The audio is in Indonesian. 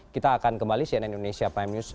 kita akan kembali cnn indonesia prime news